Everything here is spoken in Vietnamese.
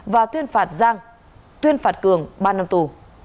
và tuyên phạt cường ba năm tù